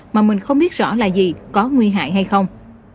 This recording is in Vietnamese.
mà mình không biết rõ là gì có nguy hại hay không